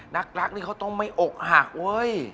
รักนี่เขาต้องไม่อกหักเว้ย